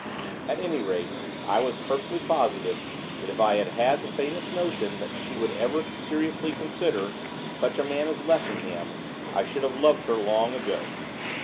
At any rate, I was perfectly positive that if I had had the faintest notion that she would ever seriously consider such a man as Lessingham I should have loved her long ago.